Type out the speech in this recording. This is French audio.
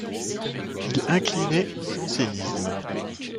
Il inclinait au Jansénisme.